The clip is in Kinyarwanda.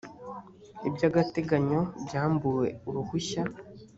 ibyagateganyo byambuwe uruhushya.